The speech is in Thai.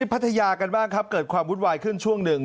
พัทยากันบ้างครับเกิดความวุ่นวายขึ้นช่วงหนึ่ง